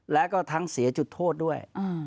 แล้วก็ทั้งเสียจุดโทษด้วย